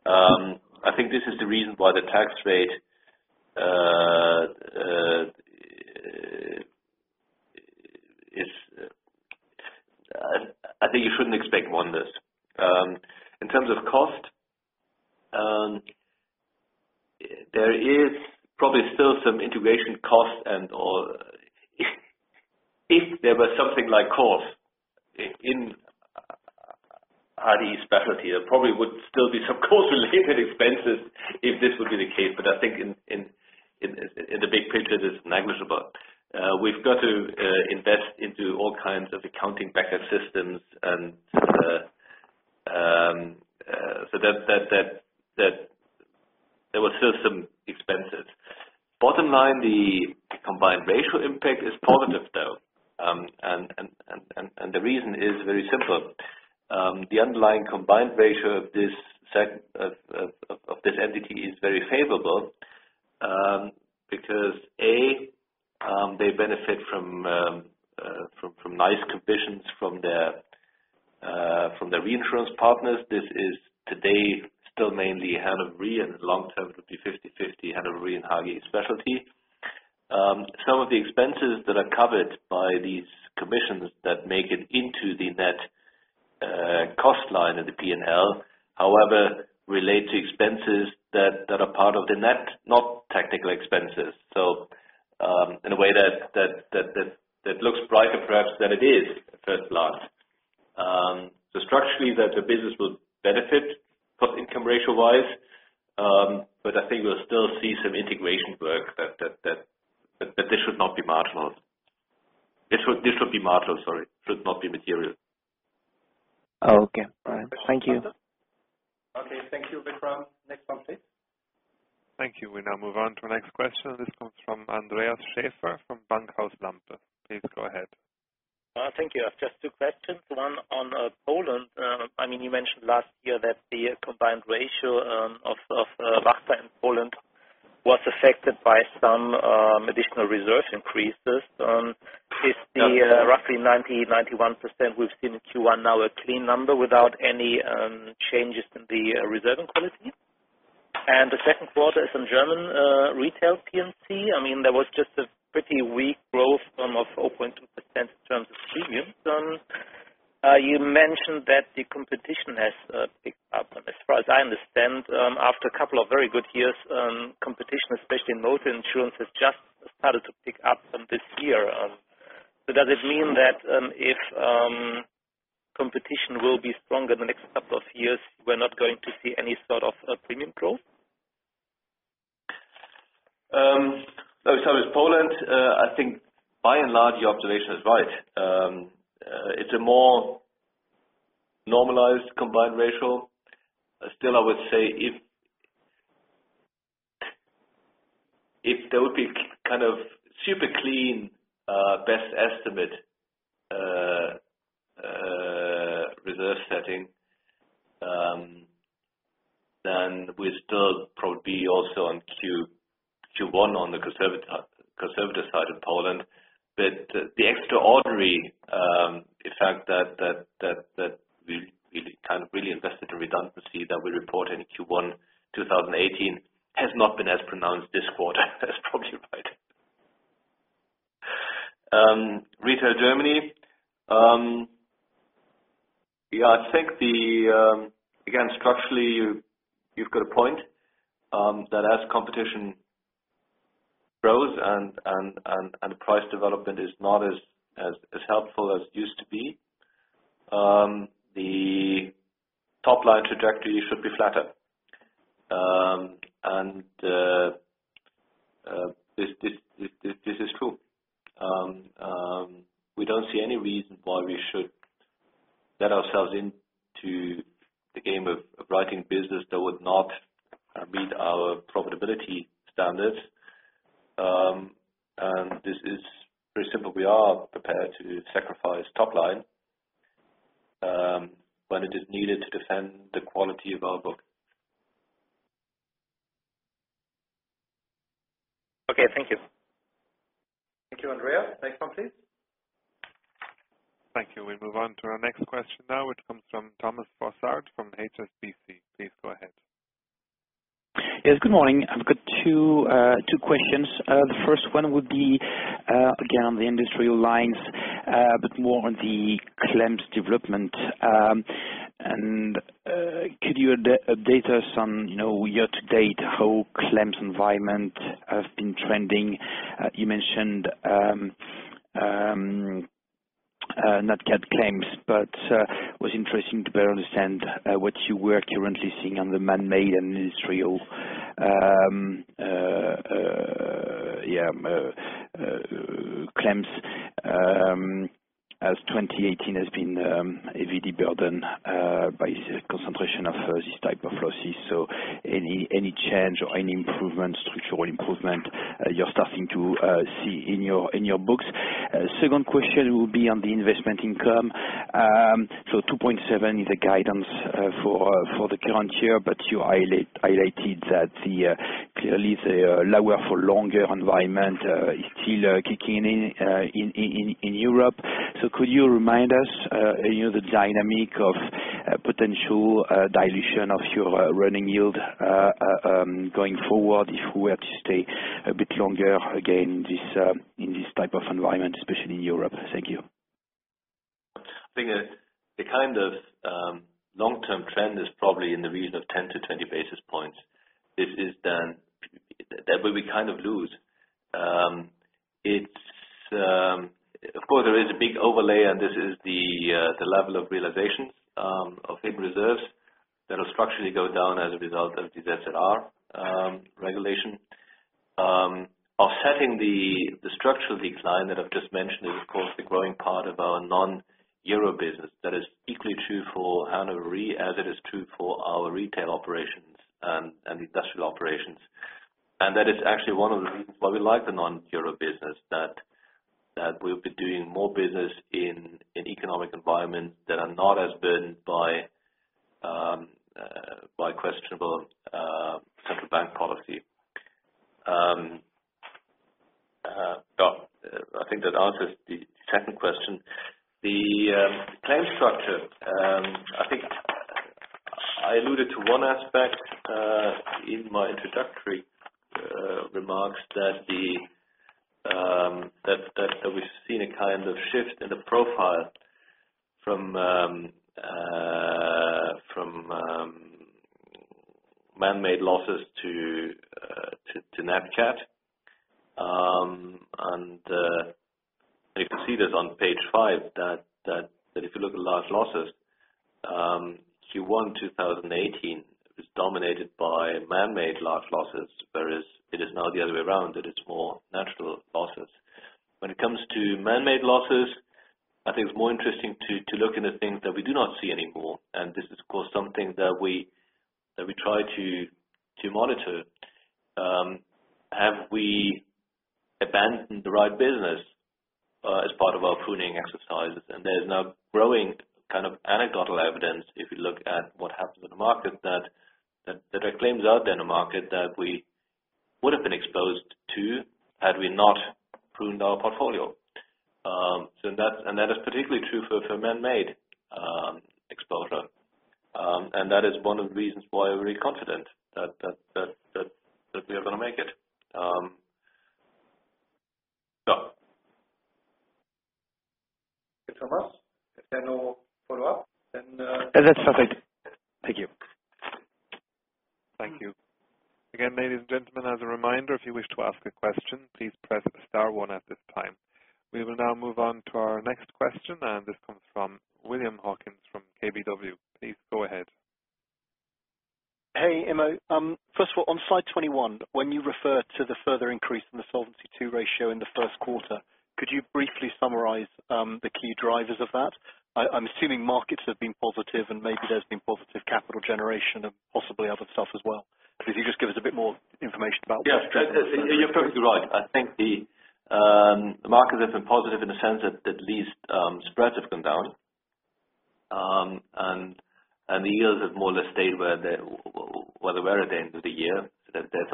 I think this is the reason why the tax rate is. I think you shouldn't expect wonders. In terms of cost, there is probably still some integration costs and/or if there was something like cost in HDI Global Specialty, there probably would still be some cost-related expenses if this would be the case. I think in the big picture, it is negligible. We've got to invest into all kinds of accounting backup systems. There were still some expenses. Bottom line, the combined ratio impact is positive, though. The reason is very simple. The underlying combined ratio of this entity is very favorable, because they benefit from nice commissions from their reinsurance partners. This is today, still mainly Hannover Re, and long term, it will be 50/50, Hannover Re and HDI Global Specialty. Some of the expenses that are covered by these commissions that make it into the net cost line in the P&L, however, relate to expenses that are part of the net, not technical expenses. In a way that looks brighter perhaps than it is at first glance. Structurally that the business will benefit cost income ratio wise, but I think we'll still see some integration work, but this should not be marginal. This should be marginal, sorry, should not be material. Okay. All right. Thank you. Okay. Thank you, Vikram. Next one, please. Thank you. We now move on to the next question. This comes from Andreas Schaefer from Bankhaus Lampe. Please go ahead. Thank you. I have just two questions. One on Poland. You mentioned last year that the combined ratio of Warta in Poland was affected by some additional reserve increases. Is the roughly 90%-91% we've seen in Q1 now a clean number without any changes in the reserve and quality? The second quarter is on German retail P&C. There was just a pretty weak growth of 0.2% in terms of premiums. You mentioned that the competition has picked up. As far as I understand, after a couple of very good years, competition, especially in motor insurance, has just started to pick up this year. Does it mean that if competition will be stronger the next couple of years, we're not going to see any sort of premium growth? As far as Poland, I think by and large, your observation is right. It's a more normalized combined ratio. Still, I would say if there would be super clean, best estimate reserve setting, then we're still probably also on Q1 on the conservative side of Poland. The extraordinary fact that we really invested in redundancy that we report in Q1 2018 has not been as pronounced this quarter as probably right. Retail Germany. Yeah, I think, again, structurally, you've got a point, that as competition grows and price development is not as helpful as it used to be, the top-line trajectory should be flatter. This is true. We don't see any reason why we should let ourselves into the game of writing business that would not meet our profitability standards. This is pretty simple. We are prepared to sacrifice top line, when it is needed to defend the quality of our book. Okay, thank you. Thank you, Andreas. Next one, please. Thank you. We move on to our next question now, which comes from Thomas Fossard from HSBC. Please go ahead. Yes, good morning. I've got two questions. The first one would be, again, on the industrial lines, but more on the claims development. Could you update us on year-to-date how claims environment have been trending? You mentioned nat cat claims, but was interesting to better understand what you were currently seeing on the man-made and industrial claims as 2018 has been heavily burdened by the concentration of this type of losses. Any change or any structural improvement you're starting to see in your books? Second question will be on the investment income. 2.7 is a guidance for the current year, but you highlighted that clearly the lower for longer environment is still kicking in Europe. Could you remind us the dynamic of potential dilution of your running yield going forward if we were to stay a bit longer again, in this type of environment, especially in Europe? Thank you. I think the kind of long-term trend is probably in the region of 10 to 20 basis points. That will be kind of loose. Of course, there is a big overlay, and this is the level of realizations of big reserves that will structurally go down as a result of the SCR regulation. Offsetting the structural decline that I've just mentioned is, of course, the growing part of our non-EUR business that is equally true for Hannover Re as it is true for our retail operations and industrial operations. That is actually one of the reasons why we like the non-EUR business, that we'll be doing more business in economic environments that are not as burdened by questionable central bank policy. I think that answers the second question. The claim structure. I think I alluded to one aspect in my introductory remarks that we've seen a kind of shift in the profile from man-made losses to nat cat. You can see this on page five, that if you look at large losses, Q1 2018 was dominated by man-made large losses, whereas it is now the other way around, that it's more natural losses. When it comes to man-made losses, I think it's more interesting to look into things that we do not see anymore, and this is, of course, something that we try to monitor. Have we abandoned the right business as part of our pruning exercises? There's now growing anecdotal evidence, if you look at what happens in the market, that there are claims out there in the market that we would have been exposed to had we not pruned our portfolio. That is particularly true for manmade exposure. That is one of the reasons why we're confident that we are going to make it. That's from us. If there are no follow-up. That's perfect. Thank you. Thank you. Again, ladies and gentlemen, as a reminder, if you wish to ask a question, please press star one at this time. We will now move on to our next question, and this comes from William Hawkins from KBW. Please go ahead. Hey, Immo. First of all, on slide 21, when you refer to the further increase in the Solvency II ratio in the first quarter, could you briefly summarize the key drivers of that? I'm assuming markets have been positive and maybe there's been positive capital generation and possibly other stuff as well. Could you just give us a bit more information about that? Yes. You're perfectly right. I think the market has been positive in the sense that at least spreads have come down. The yields have more or less stayed where they were at the end of the year. There's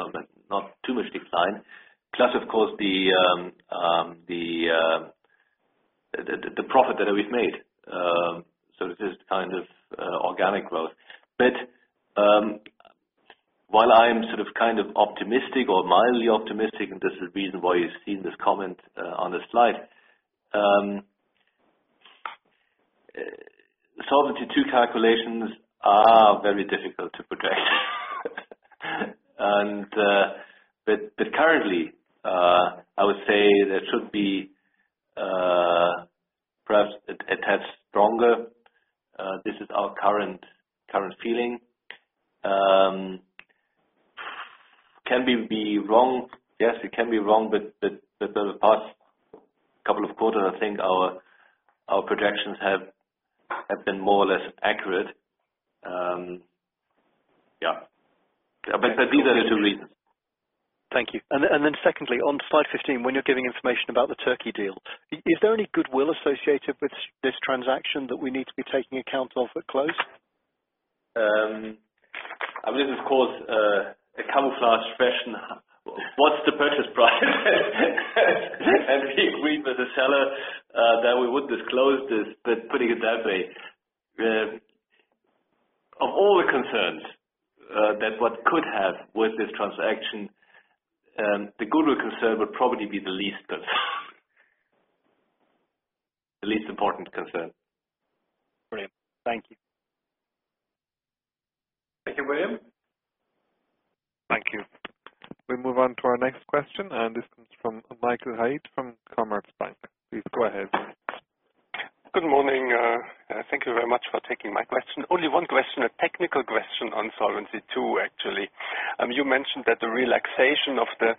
not too much decline. Plus, of course, the profit that we've made. This is kind of organic growth. While I'm sort of kind of optimistic or mildly optimistic, and this is the reason why you've seen this comment on the slide. Solvency II calculations are very difficult to predict. Currently, I would say there should be, perhaps a tad stronger. This is our current feeling. Can we be wrong? Yes, we can be wrong. The past couple of quarters, I think our projections have been more or less accurate. Yeah. These are the two reasons. Thank you. Secondly, on slide 15, when you're giving information about the Turkey deal, is there any goodwill associated with this transaction that we need to be taking account of at close? I mean, this is, of course, a camouflage fashion. What's the purchase price? We agreed with the seller that we would disclose this, but putting it that way. Of all the concerns that one could have with this transaction, the goodwill concern would probably be the least important concern. Great. Thank you. Thank you, William. Thank you. We move on to our next question. This one's from Michael Heider from Commerzbank. Please go ahead. Good morning. Thank you very much for taking my question. Only one question, a technical question on Solvency II, actually. You mentioned that the relaxation of the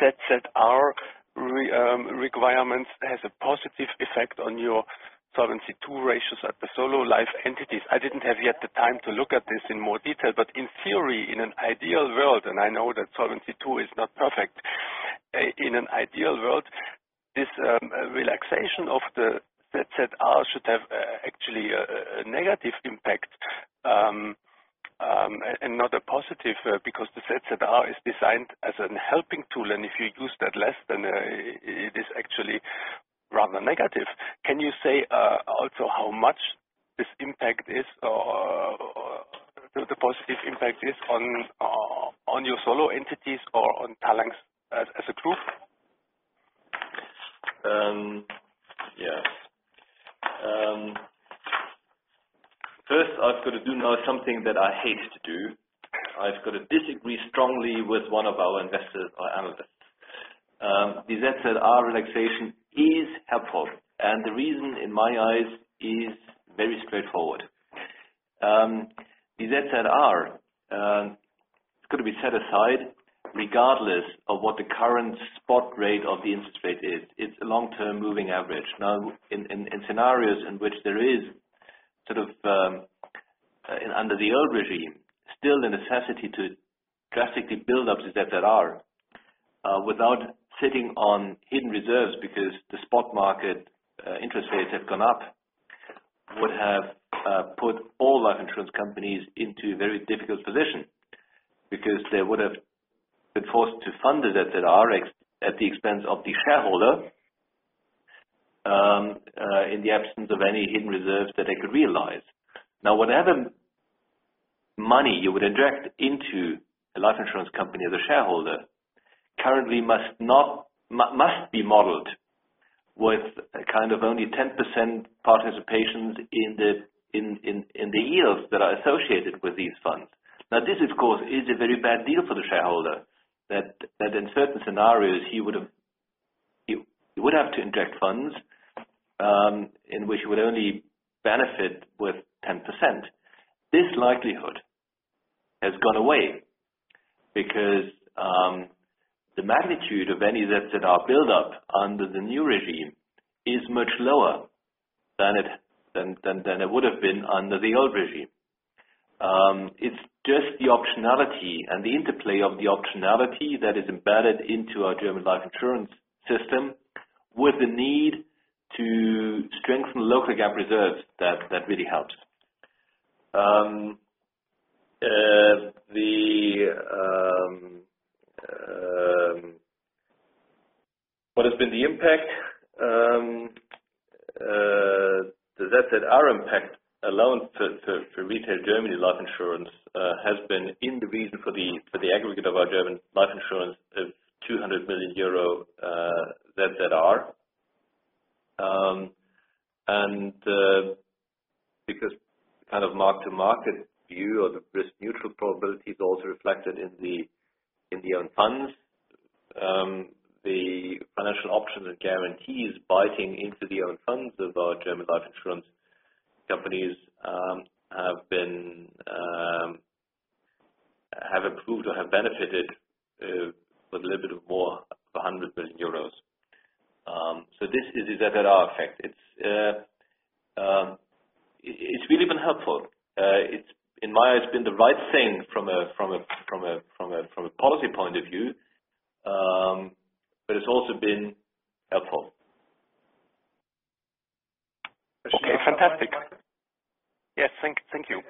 ZZR requirements has a positive effect on your Solvency II ratios at the solo life entities. I didn't have yet the time to look at this in more detail, but in theory, in an ideal world, I know that Solvency II is not perfect. In an ideal world, this relaxation of the ZZR should have actually a negative impact and not a positive, because the ZZR is designed as a helping tool. If you use that less, then it is actually rather negative. Can you say also how much this impact is or the positive impact is on your solo entities or on Talanx as a group? Yes. First, I've got to do now something that I hate to do. I've got to disagree strongly with one of our investors or analysts. The ZZR relaxation is helpful. The reason in my eyes is very straightforward. The ZZR is going to be set aside regardless of what the current spot rate of the interest rate is. It's a long-term moving average. In scenarios in which there is sort of under the old regime, still the necessity to drastically build up the ZZR without sitting on hidden reserves because the spot market interest rates have gone up, would have put all life insurance companies into a very difficult position because they would have been forced to fund the ZZR at the expense of the shareholder in the absence of any hidden reserves that they could realize. Whatever money you would inject into a life insurance company as a shareholder currently must be modeled with only 10% participation in the yields that are associated with these funds. This, of course, is a very bad deal for the shareholder that in certain scenarios you would have to inject funds in which you would only benefit with 10%. This likelihood has gone away because the magnitude of any ZZR buildup under the new regime is much lower than it would have been under the old regime. It's just the optionality and the interplay of the optionality that is embedded into our German life insurance system with the need to strengthen local gap reserves that really helps. What has been the impact? The ZZR impact allowance for retail Germany life insurance has been in the region for the aggregate of our German life insurance of 200 million euro ZZR. Because mark-to-market view or the risk neutral probability is also reflected in the own funds, the financial options and guarantees biting into the own funds of our German life insurance companies have approved or have benefited with a little bit more of 100 million euros. This is a ZZR effect. It's really been helpful. In my eyes, it's been the right thing from a policy point of view, but it's also been helpful. Fantastic. Yes, thank you.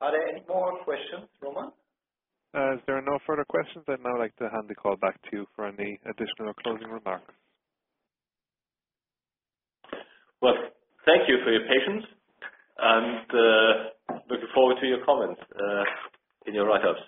Are there any more questions, Roman? As there are no further questions, I'd now like to hand the call back to you for any additional closing remarks. Well, thank you for your patience and looking forward to your comments in your write-ups.